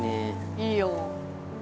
いいよ。